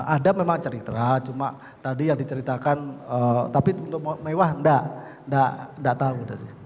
ada memang cerita cuma tadi yang diceritakan tapi untuk mewah tidak tahu